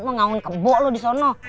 mau ngangun kebo lu disana